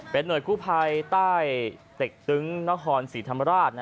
หน่วยกู้ภัยใต้เต็กตึงนครศรีธรรมราช